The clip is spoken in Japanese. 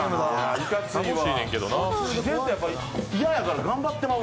自然と嫌やから頑張ってまう。